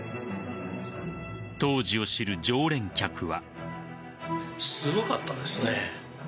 当時を知る常連客は。